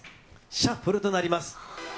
シャッフルとなります。